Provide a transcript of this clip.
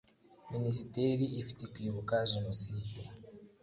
minisiteri ifite kwibuka jenoside